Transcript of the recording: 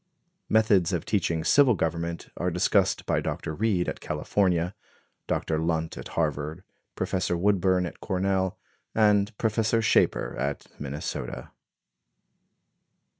Methods of teaching civil government are discussed by Dr. Reed, at California; Dr. Lunt, at Harvard; Professor Woodburn, at Cornell, and Prof. Schaper, at Minnesota.